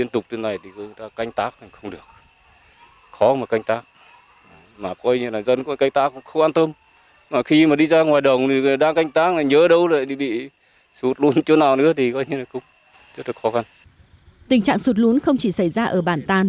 tình trạng sụt lún không chỉ xảy ra ở bản tàn